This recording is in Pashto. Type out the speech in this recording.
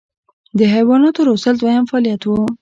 د حیواناتو روزل دویم فعالیت و.